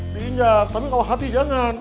diinjak tapi kalau hati jangan